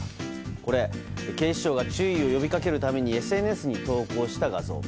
これ、警視庁が注意を呼びかけるためにＳＮＳに投稿した画像。